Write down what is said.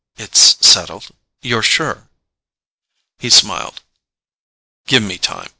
It's settled? You're sure?" He smiled. "Give me time.